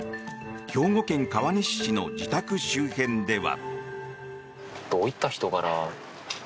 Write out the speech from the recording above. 兵庫県川西市の自宅周辺では。